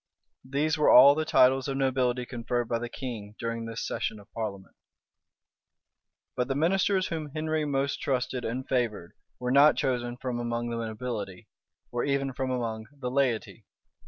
These were all the titles of nobility conferred by the king during this session of parliament.[*] * Polyd. Virg. p. 566 But the ministers whom Henry most trusted and favored were not chosen from among the nobility, or even from among the laity.